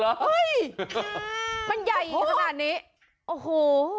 เฮ้ยมันใหญ่ขนาดนี้โอ้โห